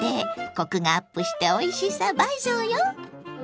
コクがアップしておいしさ倍増よ！